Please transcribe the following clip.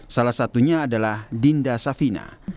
salah satunya adalah dinda safina